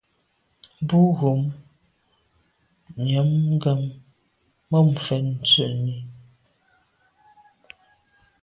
Bo ghom nyàm gham mum fèn sènni.